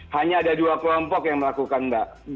hanya ada dua kelompok yang melakukan mbak